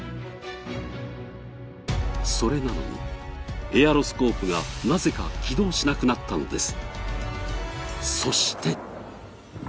それなのにエアロスコープがなぜか起動しなくなったのです。